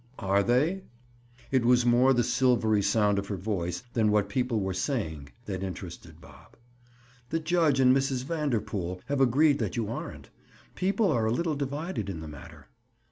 "Are they?" It was more the silvery sound of her voice than what people were saying that interested Bob. "The judge and Mrs. Vanderpool have agreed that you aren't. People are a little divided in the matter."